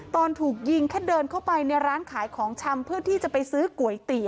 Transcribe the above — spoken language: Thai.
ตอนถูกยิงแค่เดินเข้าไปในร้านขายของชำเพื่อที่จะไปซื้อก๋วยเตี๋ย